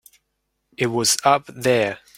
It was up there.